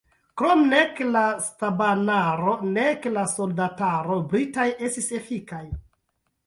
Krome nek la stabanaro nek la soldataro britaj estis efikaj.